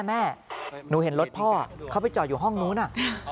แม่หนูเห็นรถพ่อเขาไปจอดอยู่ห้องนู้น